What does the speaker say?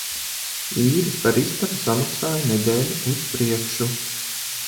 Īri par istabu samaksāju nedēļu uz priekšu.